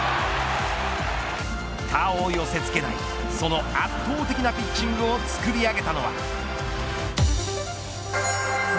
他を寄せ付けない、その圧倒的なピッチングをつくり上げたのは。